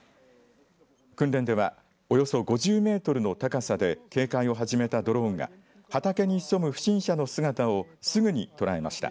訓練ではおよそ５０メートルの高さで警戒を始めたドローンが畑に潜む不審者の姿をすぐに捉えました。